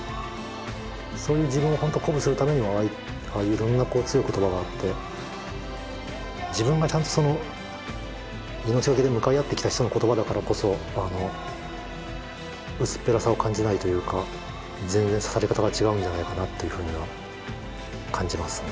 そういう自分をほんと鼓舞するためにもああいういろんな強い言葉があって自分がちゃんと命懸けで向かい合ってきた人の言葉だからこそ薄っぺらさを感じないというか全然刺さり方が違うんじゃないかなっていうふうには感じますね。